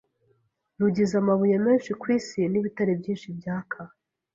rugize amabuye menshi kwisi nibitare byinshi byaka